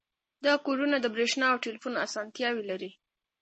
دا کورونه د بریښنا او ټیلیفون اسانتیاوې لري